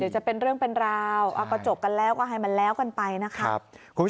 จะเป็นเรื่องเป็นราวก็จบกันแล้วก็ให้มันแล้วกันไปนะครับ